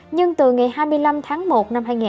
nhưng không có công nhân chung công ty với mình